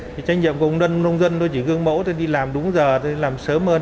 thì trách nhiệm của công đơn nông dân tôi chỉ gương mẫu tôi đi làm đúng giờ tôi đi làm sớm hơn